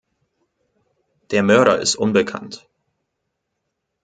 Der Mörder ist unbekannt.